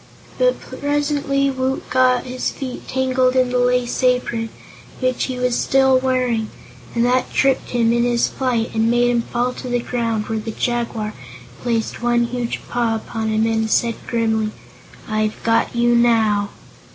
But presently Woot got his feet tangled in the Lace Apron, which he was still wearing, and that tripped him in his flight and made him fall to the ground, where the Jaguar placed one huge paw upon him and said grimly: "I've got you, now!"